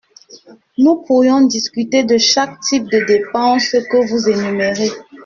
Nous pourrions discuter de chaque type de dépenses que vous énumérez.